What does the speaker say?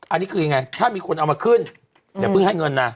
อันนี้คือยังไงถ้ามีคนเอามาขึ้นอย่าเพิ่งให้เงินนะ